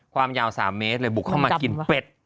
ความยาว๓เมตรเลยบุกเข้ามากินเป็ด